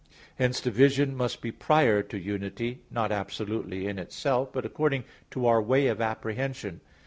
Hence division must be prior to unity, not absolutely in itself, but according to our way of apprehension.